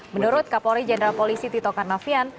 menurut kapolri jenderal polisi tito karnavian